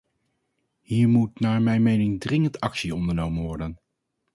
Hier moet naar mijn mening dringend actie ondernomen worden.